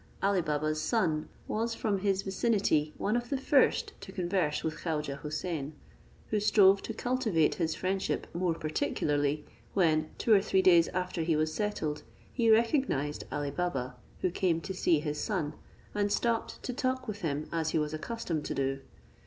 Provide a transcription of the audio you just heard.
Ali Baba's son was from his vicinity one of the first to converse with Khaujeh Houssain, who strove to cultivate his friendship more particularly, when, two or three days after he was settled, he recognized Ali Baba, who came to see his son, and stopped to talk with him as he was accustomed to do.